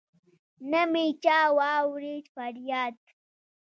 نه مي چا واوريد فرياد